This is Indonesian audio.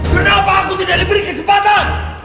kenapa aku tidak diberi kesempatan